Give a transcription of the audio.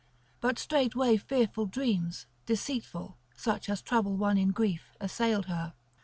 But straightway fearful dreams, deceitful, such as trouble one in grief, assailed her.